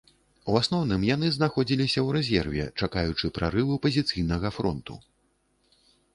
У асноўным яны знаходзіліся ў рэзерве, чакаючы прарыву пазіцыйнага фронту.